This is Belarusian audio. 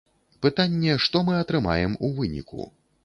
Пытанне, што мы атрымаем у выніку?